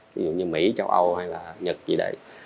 ví dụ như mỹ châu âu hay là nhật gì đấy